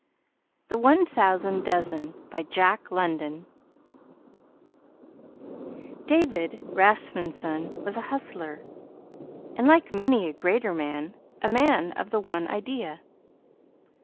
THE ONE THOUSAND DOZEN David Rasmunsen was a hustler, and, like many a greater man, a man of the one idea.